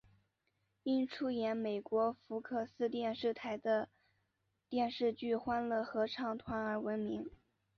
因出演美国福克斯电视台的电视剧欢乐合唱团而闻名。